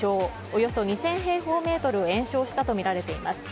およそ２０００平方メートルを延焼したとみられています。